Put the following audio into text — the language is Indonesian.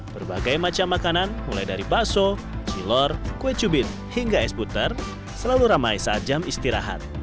berbagai macam makanan mulai dari bakso kilor kue cubit hingga es puter selalu ramai saat jam istirahat